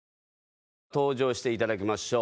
登場して頂きましょう。